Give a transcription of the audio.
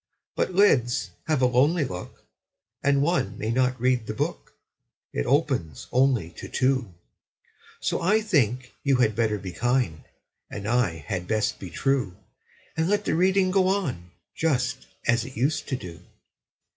But lids have a lonely look, And one may not read the book It opens only to two; So I think you had better be kind, And I had best be true, And let the reading go on, Just as it used to do.